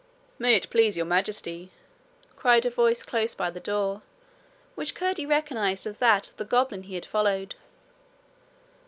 'May it please Your Majesty ' cried a voice close by the door, which Curdie recognized as that of the goblin he had followed.